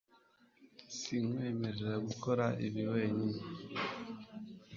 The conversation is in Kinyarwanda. sinkwemerera gukora ibi wenyine